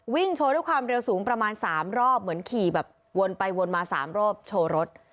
โชว์ด้วยความเร็วสูงประมาณ๓รอบเหมือนขี่แบบวนไปวนมา๓รอบโชว์รถ